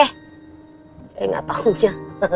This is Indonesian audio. eh enggak tahunya